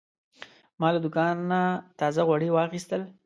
ما له دوکانه تازه غوړي واخیستل.